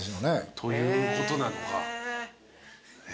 ということなのか。